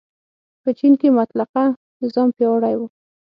په چین کې مطلقه نظام پیاوړی و.